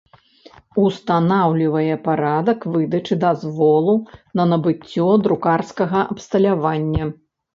Устанаўлiвае парадак выдачы дазволу на набыццё друкарскага абсталявання.